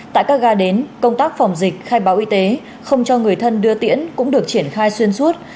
tại các ga đến công tác phòng dịch khai báo y tế không cho người thân đưa tiễn cũng được triển khai xuyên suốt